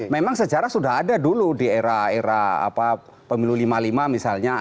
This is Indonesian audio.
memang sejarah sudah ada dulu di era era pemilu lima puluh lima misalnya